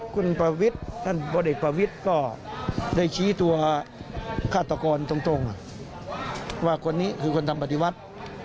คุณประวิทย์ท่านพลเอกประวิทย์ก็ได้ชี้ตัวฆาตกรตรงว่าคนนี้คือคนทำปฏิวัติ